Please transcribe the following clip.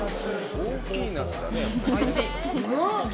おいしい。